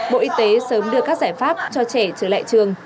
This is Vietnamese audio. bộ y tế sớm đưa các giải pháp cho trẻ trở lại trường